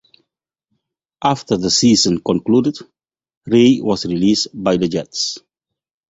After the season concluded, Ray was released by the Jets.